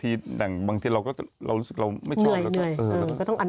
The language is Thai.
มีอย่างบางทีก็กลัวก็ไม่ชอบเลยบอกก็ต้องอัน